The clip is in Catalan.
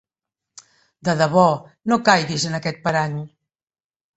De debò, no caiguis en aquest parany!